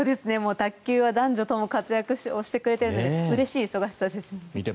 卓球は男女ともに活躍してくれているのでうれしい忙しさです。